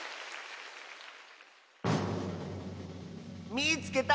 「みいつけた！